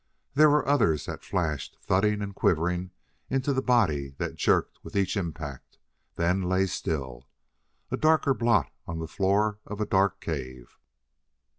There were others that flashed, thudding and quivering, into the body that jerked with each impact, then lay still, a darker blot on the floor of a dark cave.